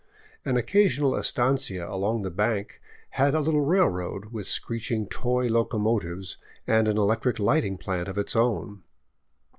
An occa sional estancia along the bank had a little railroad, with screeching toy locomotives and an electric lighting plant of its own.